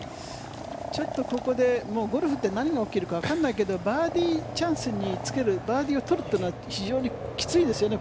ちょっとここでゴルフって何が起きるかわからないけどバーディーチャンスにつけるバーディーを取るというのは非常にきついですよね。